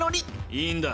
いいんだ